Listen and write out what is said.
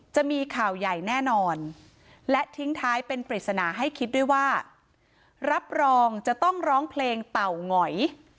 จะมีข่าวใหญ่แน่นอนและทิ้งท้ายเป็นปริศนาให้คิดด้วยว่ารับรองจะต้องร้องเพลงเต่างอย